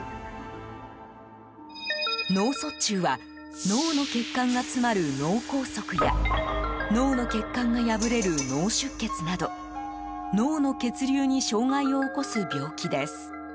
脳卒中は脳の血管が詰まる脳梗塞や脳の血管が破れる脳出血など脳の血流に障害を起こす病気です。